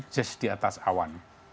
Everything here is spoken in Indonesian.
jazz diatas awan